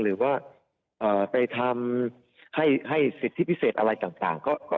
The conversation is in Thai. หรือว่าไปทำให้สิทธิพิเศษอะไรต่าง